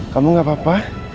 kamu gak apa apa